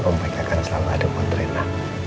om baik akan selalu ada di mana rena